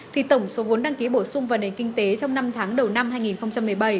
thì tổng số vốn đăng ký bổ sung vào nền kinh tế trong năm tháng đầu năm hai nghìn một mươi bảy